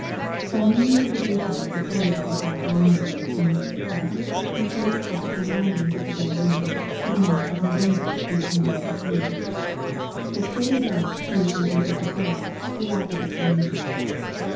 By means of the details afforded by the five landladies and Mrs. Presk, he traced back the wanderings of the dead woman to the month of November, 1893, but further back he was unable to go, for lack of information.